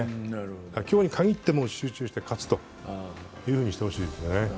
今日に限って集中して勝つというふうにしてほしいですね。